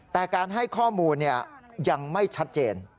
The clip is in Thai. แต่การให้ข้อมูลยังไม่ชัดเจน